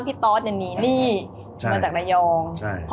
พี่ตอสมันจากละยอง